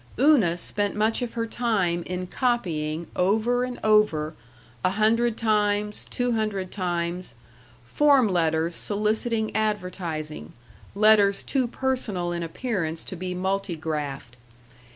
§ 4 Una spent much of her time in copying over and over a hundred times, two hundred times form letters soliciting advertising, letters too personal in appearance to be multigraphed.